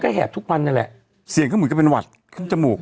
แหบทุกวันนั่นแหละเสียงก็เหมือนกับเป็นหวัดขึ้นจมูก